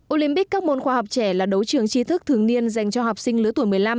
olympic các môn khoa học trẻ là đấu trường chi thức thường niên dành cho học sinh lứa tuổi một mươi năm